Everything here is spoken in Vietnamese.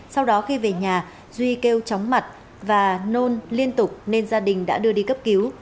sau đó khi về nhà duy kêu chóng mặt và nôn liên tục nên gia đình đã đưa đi cấp cứu